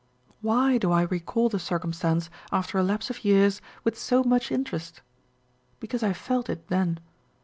Why do I recall the circumstance after a lapse of years with so much interest ? Because I felt it then.